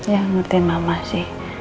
ya ngertiin mama sih